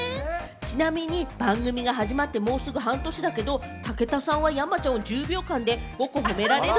ちなみに番組が始まってもうすぐ半年だけれども、武田さんは山ちゃんを１０秒間で５個褒められる？